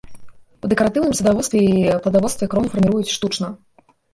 У дэкаратыўным садаводстве і пладаводстве крону фарміруюць штучна.